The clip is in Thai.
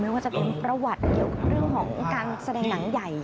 ว่าจะเป็นประวัติเกี่ยวกับเรื่องของการแสดงหนังใหญ่